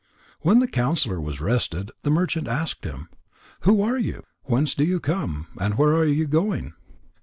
When the counsellor was rested, the merchant asked him: "Who are you? Whence do you come? And where are you going?"